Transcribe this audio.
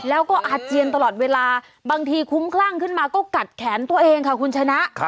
แล้วก็อาเจียนตลอดเวลาบางทีคุ้มคลั่งขึ้นมาก็กัดแขนตัวเองค่ะคุณชนะ